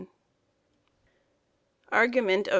_ ARGUMENT OF MR.